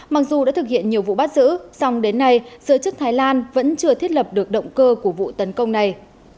mặc dù đã thực hiện nhiều vụ bắt giữ song đến nay giới chức thái lan vẫn chưa thiết lập được động cơ của vụ tấn công này